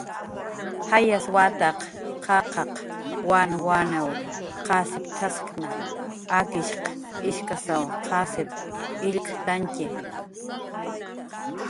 Jayas wataq qaqaq wanwanw qasipcx'askna, akishq ishkasw qasip illktantxi